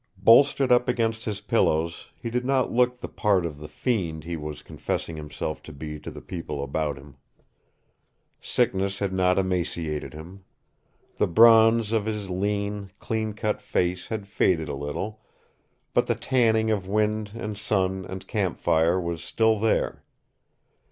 Bolstered up against his pillows, he did not look the part of the fiend he was confessing himself to be to the people about him. Sickness had not emaciated him. The bronze of his lean, clean cut face had faded a little, but the tanning of wind and sun and campfire was still there.